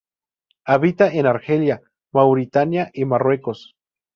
Habita en Argelia, Mauritania y Marruecos.